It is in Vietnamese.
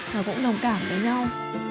và cũng đồng cảm với nhau